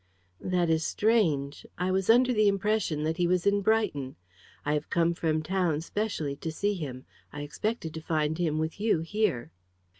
"That is strange. I was under the impression that he was in Brighton. I have come from town specially to see him. I expected to find him with you here."